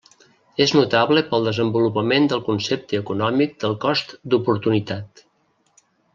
És notable pel desenvolupament del concepte econòmic del cost d'oportunitat.